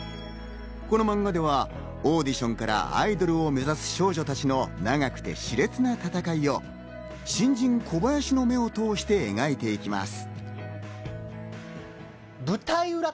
このマンガではオーディションからアイドルを目指す少女たちの長くて熾烈な戦いを新人・小林の目を通して描いていきます。